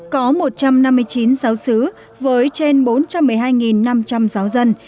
có một trăm năm mươi chín giáo sứ với trên bốn trăm một mươi hai năm trăm linh giáo dân